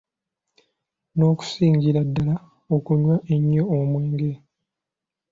N'okusingira ddala, okunywa ennyo omwenge.